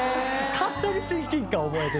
勝手に親近感覚えて。